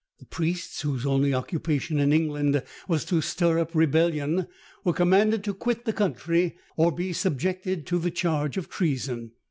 The priests, whose only occupation in England was to stir up rebellion, were commanded to quit the country, or be subjected to the charge of treason.